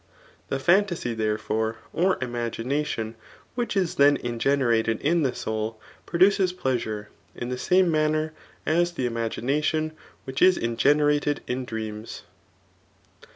The phan« tasy, therefore, or imaginatioii which is then ingenerated in the soul, produces pleasure, in the same mannier as th^ imagination which is ingenmted in dreams.